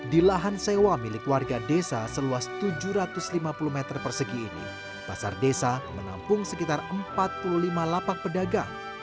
di lahan sewa milik warga desa seluas tujuh ratus lima puluh meter persegi ini pasar desa menampung sekitar empat puluh lima lapak pedagang